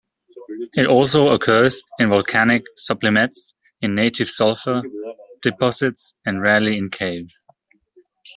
It also occurs in volcanic sublimates, in native sulfur deposits and rarely in caves.